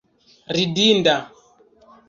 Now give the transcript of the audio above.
ridinda